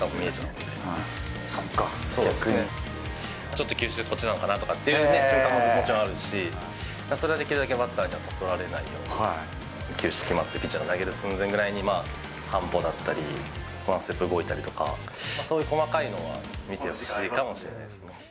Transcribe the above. ちょっと球種がこっちなのかな？とかっていうんで、分かるし、そういう気持ちはあるし、それはできるだけバッターに悟られないように、球種決まってピッチャーが動く瞬間に、半歩だったり、ワンステップ動いたりとか、そういう細かいのは見てほしいかもしれないです